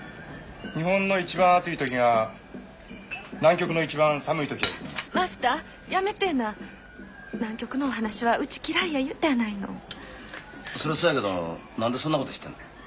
日本のいちばん暑いときが南極のいちばん寒いときやってのはマスターやめてえな南極のお話はうち嫌いや言うたやないのそりゃそやけどなんでそんなこと知ってんの？